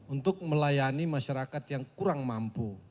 untuk melayani masyarakat yang kurang mampu